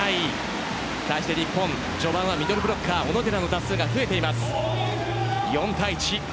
対して、日本序盤はミドルブロッカー小野寺の打数が増えています。